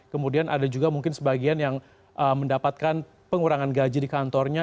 kemudian ada juga mungkin sebagian yang mendapatkan pengurangan gaji di kantornya